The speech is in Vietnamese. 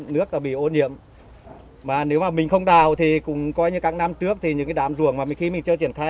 nước đã bị ô niệm mà nếu mà mình không đào thì cũng coi như các năm trước thì những cái đám ruộng mà khi mình chưa triển khai